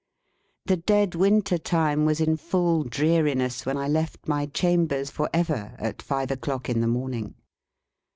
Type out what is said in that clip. The dead winter time was in full dreariness when I left my chambers for ever, at five o'clock in the morning.